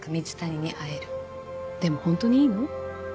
でもホントにいいの？